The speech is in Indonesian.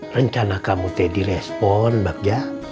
rencana kamu ted direspon bagja